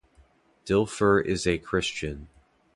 Dilfer is a Christian.